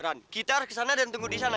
ran kita harus kesana dan tunggu disana